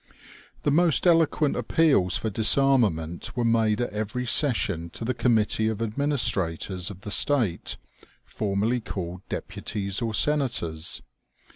The most eloquent appeals for disarmament were made at every session to the committee of administrators of the state, formerly called deputies or senators.